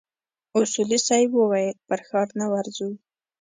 اصولي صیب وويل پر ښار نه ورځو.